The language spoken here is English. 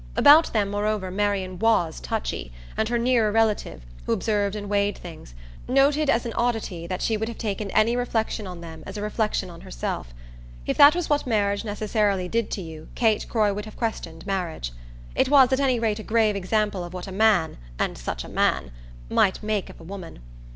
About them moreover Marian WAS touchy, and her nearer relative, who observed and weighed things, noted as an oddity that she would have taken any reflexion on them as a reflexion on herself. If that was what marriage necessarily did to you Kate Croy would have questioned marriage. It was at any rate a grave example of what a man and such a man! might make of a woman.